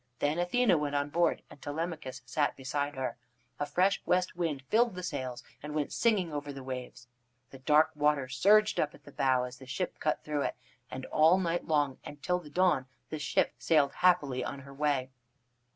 Then Athene went on board, and Telemachus sat beside her. A fresh west wind filled the sails and went singing over the waves. The dark water surged up at the bow as the ship cut through it. And all night long and till the dawn, the ship sailed happily on her way.